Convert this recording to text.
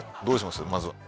どうします？